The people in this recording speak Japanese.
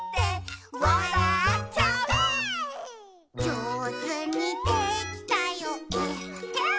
「じょうずにできたよえっへん」